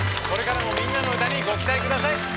これからも「みんなのうた」にご期待下さい。